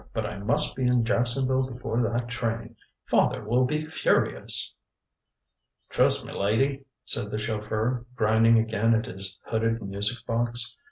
But I must be in Jacksonville before that train. Father will be furious." "Trust me, lady," said the chauffeur, grinding again at his hooded music box.